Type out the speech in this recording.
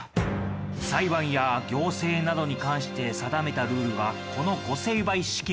裁判や行政などに関して定めたルールはこの御成敗式目。